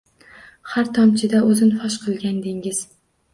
Har tomchida o’zin fosh qilgan dengiz